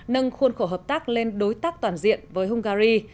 nâng khuôn khổ hợp tác lên đối tác toàn diện với hungary